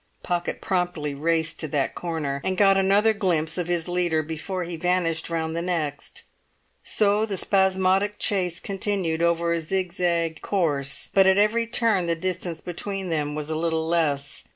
Pocket promptly raced to that corner, and got another glimpse of his leader before he vanished round the next. So the spasmodic chase continued over a zigzag course; but at every turn the distance between them was a little less.